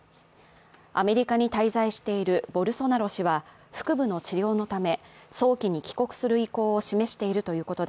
アメリカに滞在しているボルソナロ氏は、腹部の治療のため早期に帰国する意向を示しているということで